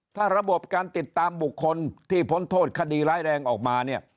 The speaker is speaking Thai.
ถ้าระบบการติดตามบุคคลที่พ้นโทษคดีร้ายแรงออกมาเนี่ย